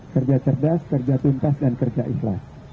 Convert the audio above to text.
kerja cerdas kerja tuntas dan kerja ikhlas